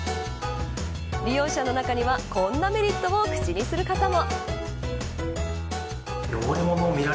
利用者の中にはこんなメリットを口にする方も。